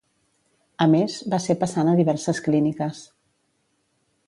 A més, va ser passant a diverses clíniques.